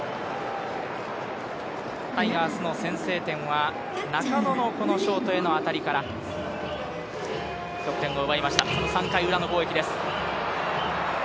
タイガースの先制点は中野のショートへの当たりから得点を奪いました、３回裏の攻撃です。